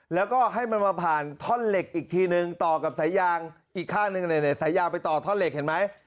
แล้วก็ให้มันมาผ่านท่อนเหล็กอีกทีนึงต่อกับสายยางอีกข้างหนึ่งสายยางไปต่อท่อนเหล็กเห็นไหม